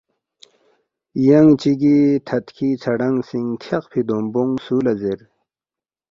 ینگ چیگی تھدکھی ژھرنگسینگ تھیاقفی دومبونگ سولا زیر